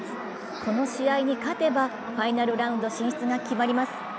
この試合に勝てばファイナルラウンド進出が決まります。